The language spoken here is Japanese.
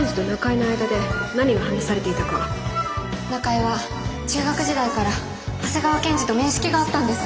中江は中学時代から長谷川検事と面識があったんです。